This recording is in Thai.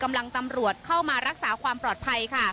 มันต้องการใช้รักษาทุกอย่าง